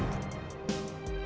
saya menghargai perempuan